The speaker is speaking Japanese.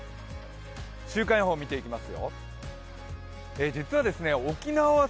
週間予報見ていきます。